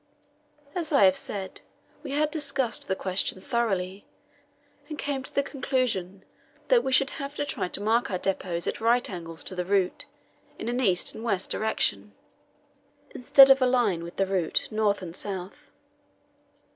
As I have said, we had discussed the question thoroughly, and come to the conclusion that we should have to try to mark our depots at right angles to the route, in an east and west direction, instead of in a line with the route, north and south.